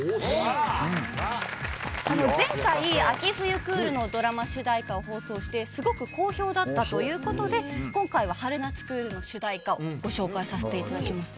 前回秋冬クールのドラマ主題歌を放送してすごく好評だったということで今回は春夏クールの主題歌をご紹介させていただきます。